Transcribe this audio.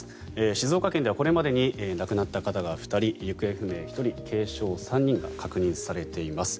静岡県ではこれまでに亡くなった方が２人行方不明１人軽傷３人が確認されています。